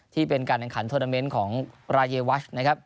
ที่เป็นการแข่งขันโทรนาเมนต์ของรายวัชนะครับ